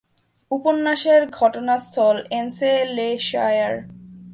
উপন্যাসের ঘটনাস্থল এন্সেলেশায়ার।